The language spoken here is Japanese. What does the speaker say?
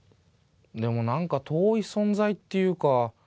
でもなんか遠い存在っていうか。